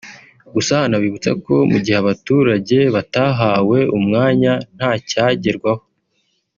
Gusa anabibutsa ko mu gihe abaturage batahawe umwanya nta cyagerwaho